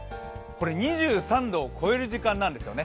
２３度を超える時間なんですよね。